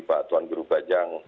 pak tuan guru bajang